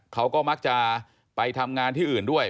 เขาก็มักจะไปทำงานที่อื่นด้วย